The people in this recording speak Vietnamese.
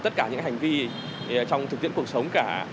tất cả những hành vi trong thực tiễn cuộc sống cả